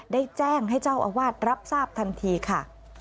ได้แจ้งให้เจ้าอาวาสรับทราบทันทีค่ะ